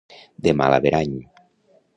De mal averany.